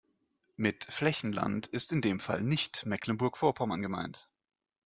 Mit Flächenland ist in dem Fall nicht Mecklenburg-Vorpommern gemeint.